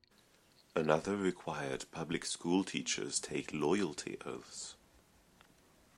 Another required public school teachers take loyalty oaths.